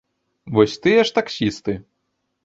Вось тыя ж таксісты.